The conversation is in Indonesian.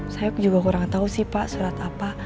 saya juga kurang tahu sih pak surat apa